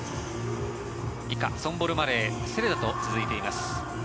以下、ソンボル・マレーセレダと続いています。